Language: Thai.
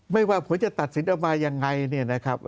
ไม่ว่าผลจะตัดสินออกมายังไงเนี่ยนะครับ